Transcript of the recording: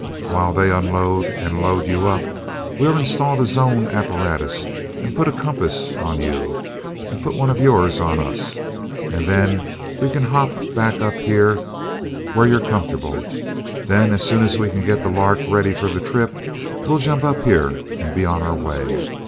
While they unload and load you up, we'll install the zone apparatus, put a compass on you, put one of yours on us, and then you can hop back up here where you're comfortable. Then as soon as we can get the 'Lark' ready for the trip, we'll jump up here and be on our way.